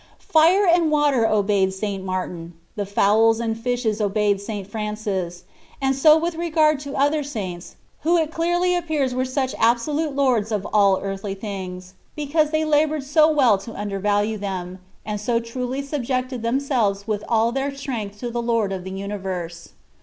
Fire and water obeyed St. Martin ; the fowls and fishes obeyed St. Francis ; and so with regard to other saints, who it clearly appears were such absolute lords of all earthly things^ because they laboured so well to undervalue them, and so truly subjected themselves with all their strength to the Lord of the universe.